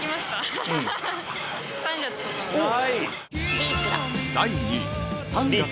リーチだ。